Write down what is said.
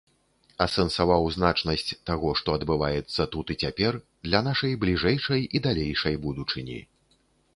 Асэнсаваў значнасць таго, што адбываецца тут і цяпер, для нашай бліжэйшай і далейшай будучыні.